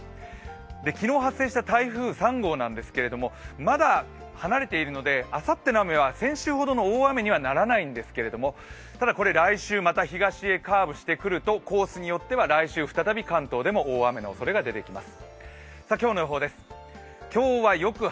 昨日発生した台風３号なんですけどまだ離れているのであさっての雨は先週ほどの大雨にはならないんですけれどもただ来週、また東へカーブしてくると、コースによっては来週再び関東でも大雨の予想が出てきます。